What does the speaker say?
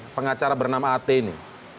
pengacara bernama at ini